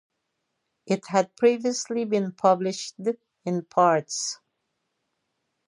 It had previously been published in parts.